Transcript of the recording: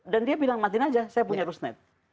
dan dia bilang matiin aja saya punya rusnet